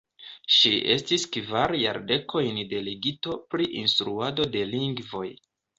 Ŝi estis kvar jardekojn delegito pri instruado de lingvoj.